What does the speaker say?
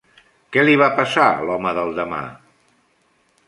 Què li va passar a l'home del demà?